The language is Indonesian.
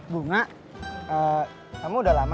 bunga kamu udah lama